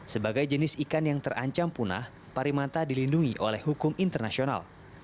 sebagai jenis ikan yang terancam punah parimanta dilindungi oleh hukum internasional